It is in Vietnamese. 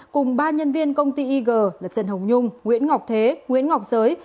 cùng ba nhân viên công ty ig là trần hồng nhung nguyễn ngọc thế nguyễn ngọc giới